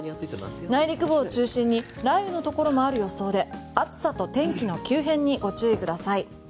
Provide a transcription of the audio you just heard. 内陸部を中心に雷雨のところもある予想で暑さと天気の急変にご注意ください。